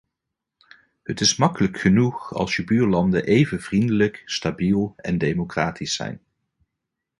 Het is makkelijk genoeg als je buurlanden even vriendelijk, stabiel en democratisch zijn.